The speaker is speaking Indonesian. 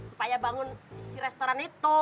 supaya bangun si restoran itu